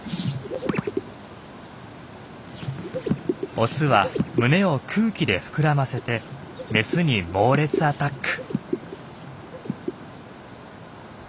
オスは胸を空気で膨らませてメスに猛烈アタック。